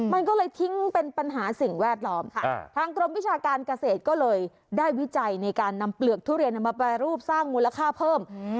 มันก็เลยทิ้งเป็นปัญหาสิ่งแวดล้อมค่ะทางกรมวิชาการเกษตรก็เลยได้วิจัยในการนำเปลือกทุเรียนมาแปรรูปสร้างมูลค่าเพิ่ม